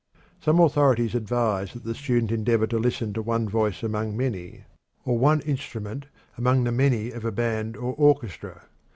Some authorities advise that the student endeavor to listen to one voice among many, or one instrument among the many of a band or orchestra.